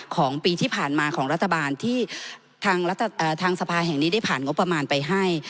ของปีที่ผ่านมาของรัฐบาลที่ทางสภาแห่งนี้ได้ผ่านงบประมาณไปให้